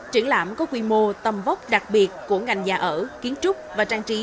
triển lãm có quy mô tầm vóc đặc biệt của ngành nhà ở kiến trúc và trang trí